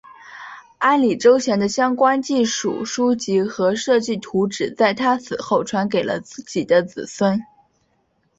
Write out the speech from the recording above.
安里周祥的相关技术书籍和设计图纸在他死后传给了自己的子孙。